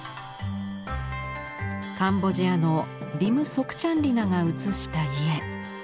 カンボジアのリム・ソクチャンリナが写した家。